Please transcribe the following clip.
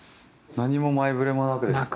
何も前触れもなくですか？